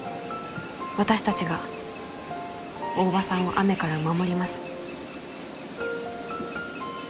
「私達が大庭さんを雨から守ります」